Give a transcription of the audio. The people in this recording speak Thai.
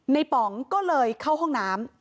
ป๋องก็เลยเข้าห้องน้ำ